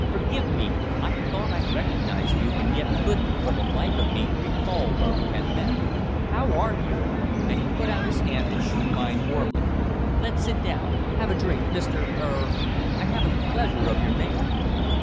Forgive me. I thought I recognized you, and yet couldn't, for the life of me, recall where we had met. How are you?" and he put out his hand and shook mine warmly. "Let's sit down. Have a drink, Mr. er. I haven't the pleasure of your name."